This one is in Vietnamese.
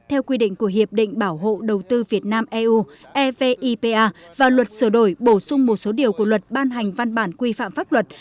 theo quy định của hiệp định bảo hộ đầu tư việt nam eu evipa và luật sửa đổi bổ sung một số điều của luật ban hành văn bản quy phạm pháp luật